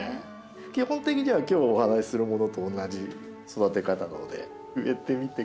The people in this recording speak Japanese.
基本的には今日お話しするものと同じ育て方なので植えてみてください。